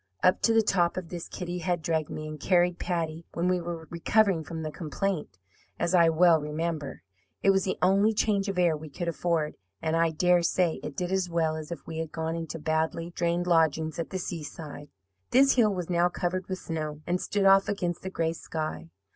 Up to the top of this Kitty had dragged me, and carried Patty, when we were recovering from the complaint, as I well remember. It was the only 'change of air' we could afford, and I dare say it did as well as if we had gone into badly drained lodgings at the seaside. "This hill was now covered with snow and stood off against the gray sky.